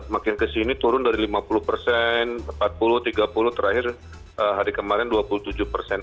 makin kesini turun dari lima puluh persen empat puluh tiga puluh terakhir hari kemarin dua puluh tujuh persen